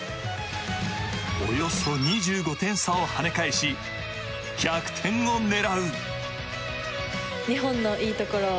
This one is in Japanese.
およそ２５点差を跳ね返し逆転を狙う。